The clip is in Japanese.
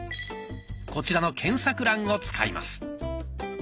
こちらの検索欄を使います。